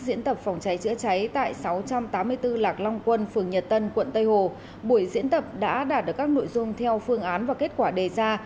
diễn tập phòng cháy chữa cháy tại sáu trăm tám mươi bốn lạc long quân phường nhật tân quận tây hồ buổi diễn tập đã đạt được các nội dung theo phương án và kết quả đề ra